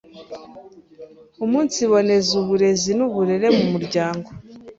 umunsiboneza uburezi n’uburere mu muryango